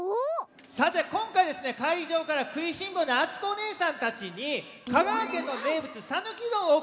さてこんかいかいじょうからくいしんぼうなあつこおねえさんたちに香川県の名物さぬきうどんをおくったんですよ。